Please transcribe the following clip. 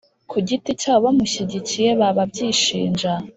ku giti cyabo bamushyigikiye baba byishinja